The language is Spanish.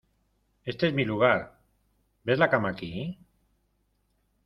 Éste es mi lugar, ¿ ves la cama aquí?